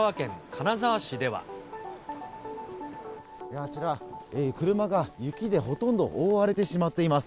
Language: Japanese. あちら、車が雪でほとんど覆われてしまっています。